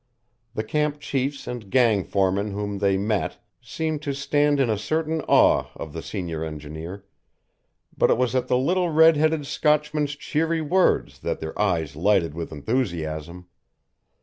The camp chiefs and gang foremen whom they met seemed to stand in a certain awe of the senior engineer, but it was at the little red headed Scotchman's cheery words that their eyes lighted with enthusiasm.